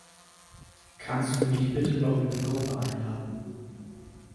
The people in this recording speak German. Kannst du mich bitte noch in die Gruppe einladen?